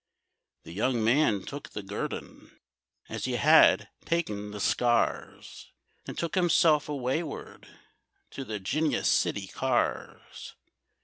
The young man took the guerdon, As he had ta'en the scars; Then took himself awayward To the 'Ginia City cars.